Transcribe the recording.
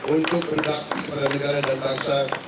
untuk berhak kepada negara dan bangsa